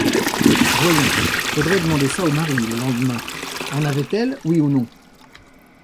Voyons, faudrait demander ça au mari, le lendemain: en avait-elle, oui ou non?